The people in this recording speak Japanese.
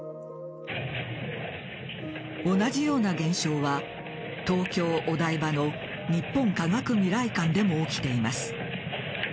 同じような現象は東京・お台場の日本科学未来館でも起きています。